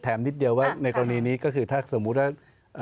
นิดเดียวว่าในกรณีนี้ก็คือถ้าสมมุติว่า